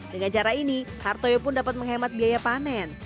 dengan cara ini hartoyo pun dapat menghemat biaya panen